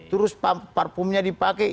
terus parfumnya dipakai